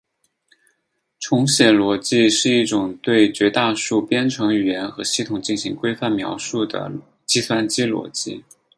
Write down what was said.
重写逻辑是一种对绝大多数编程语言和系统进行规范描述的计算机逻辑。